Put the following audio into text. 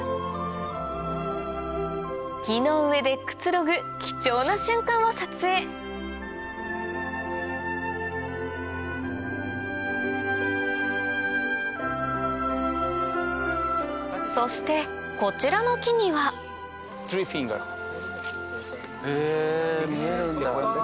木の上でくつろぐ貴重な瞬間を撮影そしてこちらの木にはへぇ見えるんだ。